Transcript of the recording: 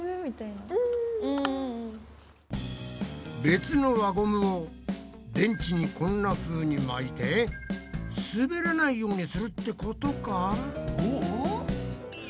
別の輪ゴムを電池にこんなふうに巻いてすべらないようにするってことか？